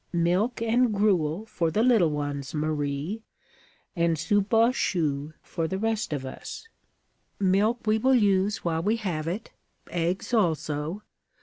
Milk and gruel for the little ones, Marie, and soupe aux choux for the rest of us. Milk we will use while we have it. Eggs also.